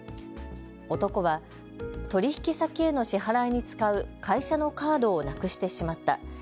男は取引先への支払いに使う会社のカードをなくしてしまった。